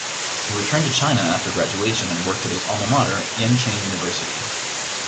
He returned to China after graduation and worked at his alma mater Yenching University.